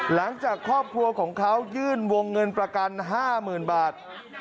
หลังจากครอบครัวของเขายื่นวงเงินประกัน๕๐๐๐บาท